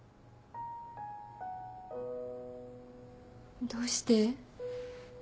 どうして？